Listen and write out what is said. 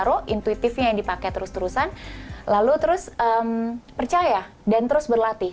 taruh intuitifnya yang dipakai terus terusan lalu terus percaya dan terus berlatih